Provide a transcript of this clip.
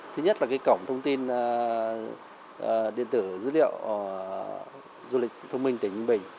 thứ nhất là cổng thông tin điện tử dữ liệu du lịch thông minh tỉnh ninh bình